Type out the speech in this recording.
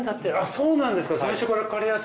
そうなんです。